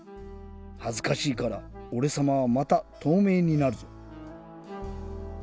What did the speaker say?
はずかしいからおれさまはまたとうめいになるぞ。